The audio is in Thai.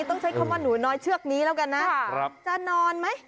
ต้องใช้คำว่าหนูน้อยเชือกนี้แล้วกันนะจะนอนไหม